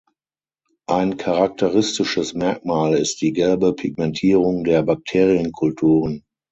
Ein charakteristisches Merkmal ist die gelbe Pigmentierung der Bakterienkulturen.